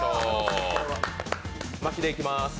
巻きでいきます。